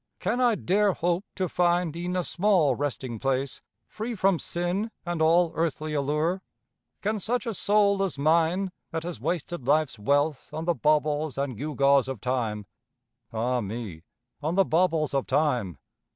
Can I dare hope to find e'en a small resting place Free from sin and all earthly allure? Can a soul such as mine, that has wasted life's wealth On the baubles and gewgaws of time, (Ah me, on the baubles of time!)